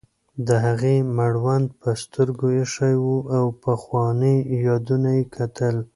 د هغې مړوند پر سترګو ایښی و او پخواني یادونه یې کتل.